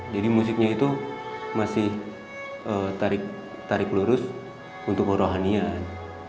jadi musiknya itu masih tarik lurus untuk kerohanian